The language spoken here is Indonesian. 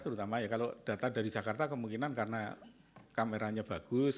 terutama ya kalau data dari jakarta kemungkinan karena kameranya bagus